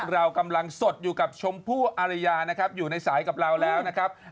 เรากำลังสดอยู่กับชมพู่อารยานะครับอยู่ในสายกับเราแล้วนะครับ